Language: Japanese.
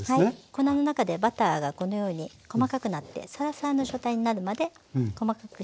粉の中でバターがこのように細かくなってサラサラの状態になるまで細かくして頂くとよろしいです。